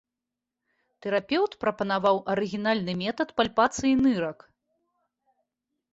Тэрапеўт прапанаваў арыгінальны метад пальпацыі нырак.